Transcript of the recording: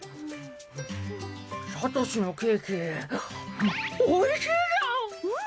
サトシのケーキおいしいじゃん！